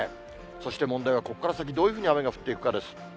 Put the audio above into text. そして問題はここから先、どういうふうに雨が降っていくかです。